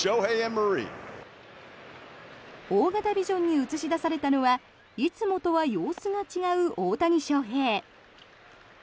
大型ビジョンに映し出されたのはいつもとは様子が違う大谷翔平。